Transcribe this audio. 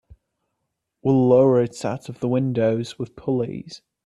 We'll lower it out of the window with pulleys.